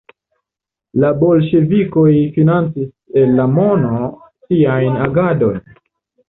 La bolŝevikoj financis el la mono siajn agadojn.